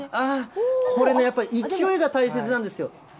これね、やっぱり勢いが大切なんですよ。